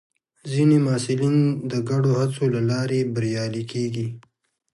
ځینې محصلین د ګډو هڅو له لارې بریالي کېږي.